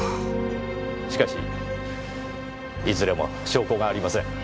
しかしいずれも証拠がありません。